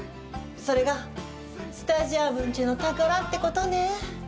それがスタジアムンチュの宝ってことね。